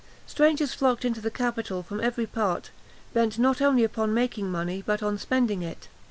Strangers flocked into the capital from every part, bent not only upon making money, but on spending it.